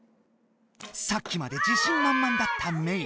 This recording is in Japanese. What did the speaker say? さっきまで自信まんまんだったメイ。